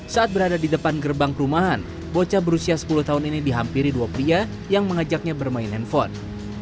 saat berada di depan gerbang perumahan bocah berusia sepuluh tahun ini dihampiri dua pria yang mengajaknya bermain handphone